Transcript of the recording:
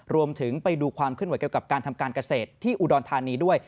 ไปดูความขึ้นไหวเกี่ยวกับการทำการเกษตรที่อุดรธานีด้วย